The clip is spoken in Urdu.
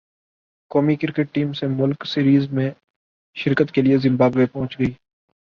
قومی کرکٹ ٹیم سہ ملکی سیریز میں شرکت کے لیے زمبابوے پہنچ گئی